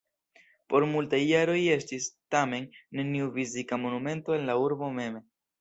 Por multaj jaroj estis, tamen, neniu fizika monumento en la urbo mem.